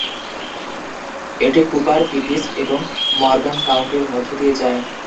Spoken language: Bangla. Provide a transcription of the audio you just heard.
এটি কুপার, পিটিস এবং মরগান কাউন্টির মধ্য দিয়ে যায়।